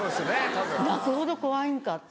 泣くほど怖いんかって。